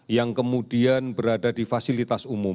yang kemudian berada di fasilitas umum